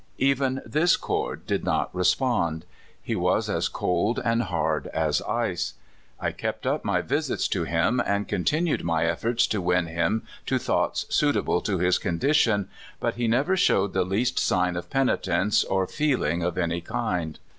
Even this chord did not respond. He was as cold and hard as ice. I kept up my visits to him, and continued my efforts to win him to thoughts 3uitable to his condition, but he never showed the 112 CALIFORNIA SKETCHES. least sign of penitence or feeling of any kind.